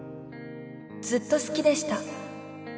ずっと好きでした」